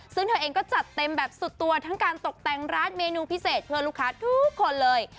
ซึ่งเธอเองก็จัดเต็มแบบสุดตัวทั้งการตกแต่งร้านเมนูพิเศษเพื่อลูกค้าทุกคนเลย